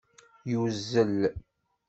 Yuzel